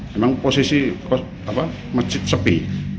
memang posisi masjid sepi